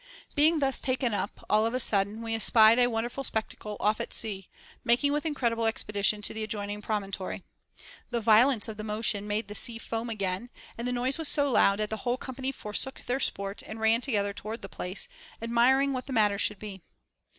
Being thus taken up, all of a sudden we espied a wonderful spectacle off at sea, making with incredible expedition to the adjoining promontory. The violence of the motion made the sea foam again, and the noise was so loud, that the whole company forsook their sport and ran together toward the place, admiring what the matter should be.